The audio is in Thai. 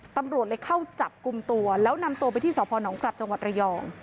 ตำรวจเลยเข้าจับกลุ่มตัวแล้วนำตัวไปที่สพนกลับจังหวัดระยอง